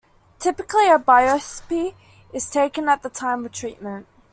Typically a biopsy is taken at the time of treatment.